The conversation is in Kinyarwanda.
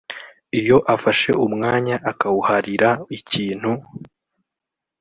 Iyo afashe umwanya akawuharira ikintu